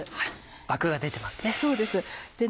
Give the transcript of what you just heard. アクが出てますね。